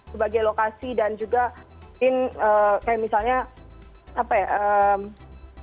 sebagai lokasi dan juga mungkin kayak misalnya apa ya